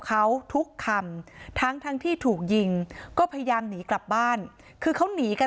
เขาทุกคำทั้งทั้งที่ถูกยิงก็พยายามหนีกลับบ้านคือเขาหนีกัน